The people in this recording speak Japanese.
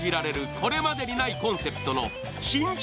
これまでにないコンセプトの新築